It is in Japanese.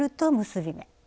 結び目。